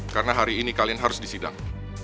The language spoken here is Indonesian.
karena hari ini kalian harus di sidang